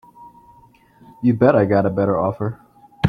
You bet I've got a better offer.